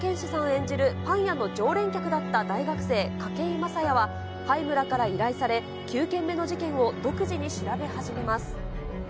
演じる、パン屋の常連客だった大学生、筧井雅也は榛村から依頼され、９件目の事件を独自に調べ始めます。